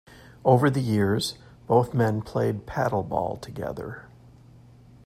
Over the years, both men played paddleball together.